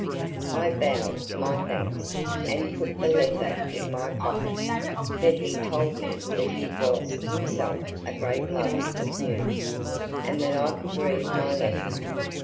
I bowed my thanks, and put the letter in my pocket: but he told me that he was himself a great lover of news, and that I could read my letter.